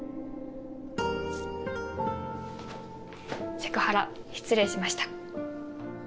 セクハラ失礼しました。